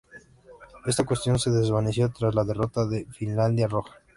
Esta cuestión se desvaneció tras la derrota de la Finlandia Roja.